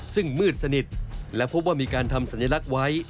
ซึ่งมืดสนิทและพบว่ามีการทำสัญลักษณ์ไว้